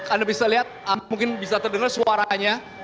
anda bisa lihat mungkin bisa terdengar suaranya